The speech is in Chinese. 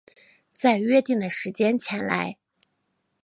在约定的时间前来